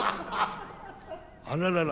あららら。